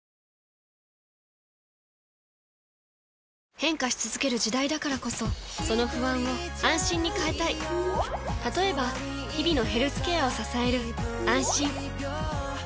変化し続ける時代だからこそその不安を「あんしん」に変えたい例えば日々のヘルスケアを支える「あんしん」